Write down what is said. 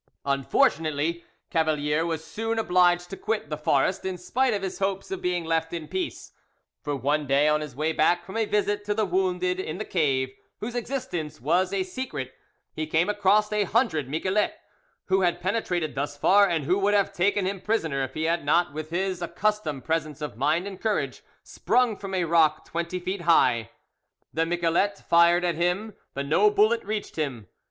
Unfortunately, Cavalier was soon obliged to quit the forest, in spite of his hopes of being left in peace; for one day on his way back from a visit to the wounded in the cave, whose existence was a secret, he came across a hundred miquelets who had penetrated thus far, and who would have taken him prisoner if he had not, with his, accustomed presence of mind and courage, sprung from a rock twenty feet high. The miquelets fired at him, but no bullet reached him.